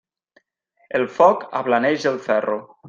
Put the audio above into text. El foc ablaneix el ferro.